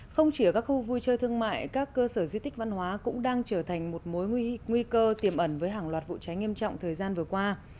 không chỉ ở các khu vui chơi thương mại các cơ sở di tích văn hóa cũng đang trở thành một mối nguy cơ tiềm ẩn với hàng loạt vụ cháy nghiêm trọng thời gian vừa qua